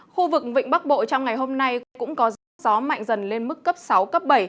khu vực vịnh bắc bộ trong ngày hôm nay cũng có sức gió mạnh dần lên mức cấp sáu cấp bảy